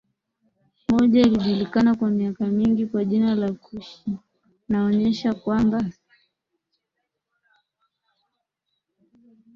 moja ilijulikana kwa miaka mingi kwa jina la Kushi naonyesha kwamba